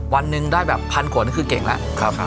วันหนึ่งได้แบบพันกว่านี่คือเก่งแล้ว